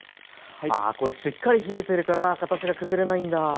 あこれしっかり冷えてるから形が崩れないんだ。